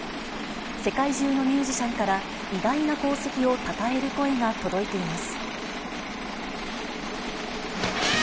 世界中のミュージシャンから、偉大な功績をたたえる声が届いています。